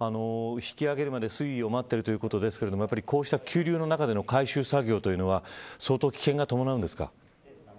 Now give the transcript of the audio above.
引き揚げるまで水位を待っているということですけど急流の中での回収作業というのは相当、危険が伴うんですか。